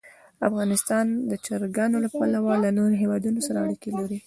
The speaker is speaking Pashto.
افغانستان د چرګانو له پلوه له نورو هېوادونو سره اړیکې لري.